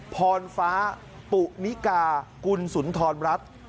พรฟ้าปุนิกากุลสุนทรรัฐ